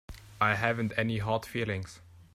I haven't any hard feelings.